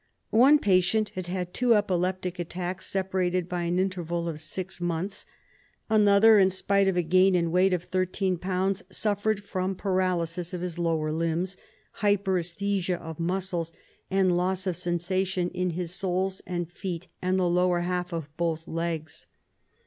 One patient had had two epileptic attacks, separated by an interval of six months; another, in spite of a gain in weight of 13 lbs., suffered from paralysis of his lower limbs, hyperEBsthesia of muscles, and loss of sensation in his soles •and feet and the lower half of both legs.